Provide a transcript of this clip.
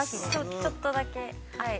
◆ちょっとだけ、はい。